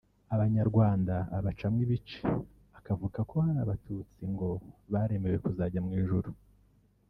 Abanyarwanda abacamo ibice akavuga ko hari Abatutsi ngo “baremewe kuzajya mu ijuru”